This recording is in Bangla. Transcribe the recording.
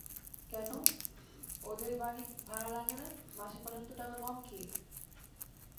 কেন, ওদের বাড়ি ভাড়া লাগে না, মাসে পঁচাত্তর টাকা কম কী।